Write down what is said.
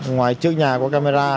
ngoài trước nhà có camera